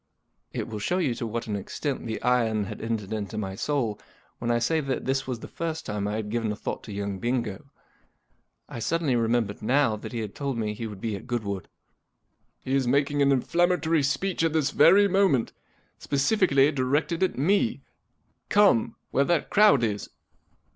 It will show you to what an extent the iron had entered into my soul when I say that this w.as the first time I had given a thought to young Bingo. I suddenly remem¬ bered now that he had told me he would be at Goodwood. 'He is making an inflammatory speech at this very moment, specifically directed at me. Come ! Where that crowd is."